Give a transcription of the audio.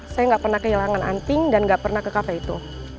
saya nggak pernah kehilangan anting dan gak pernah ke kafe itu